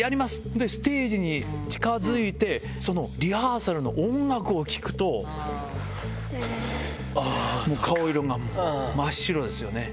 で、ステージに近づいて、そのリハーサルの音楽を聴くと、顔色が、真っ白ですよね。